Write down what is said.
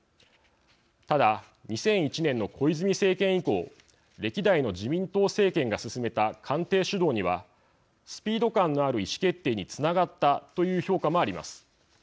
ただ、２００１年の小泉政権以降歴代の自民党政権が進めた官邸主導には、スピード感のある意思決定につながったという評価もあります。